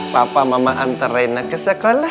papa mama antarin aku ke sekolah